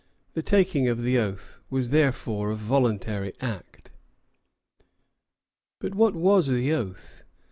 The taking of the oath was therefore a voluntary act. But what was the oath?